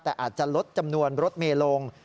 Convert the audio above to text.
แต่อาจจะลดจำนวนรถเมย์ลง